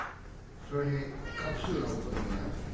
それに隠すようなことでもない。